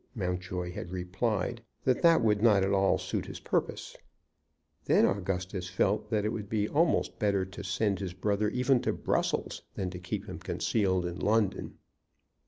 Mountjoy had replied that that would not at all suit his purpose. Then Augustus had felt that it would be almost better to send his brother even to Brussels than to keep him concealed in London.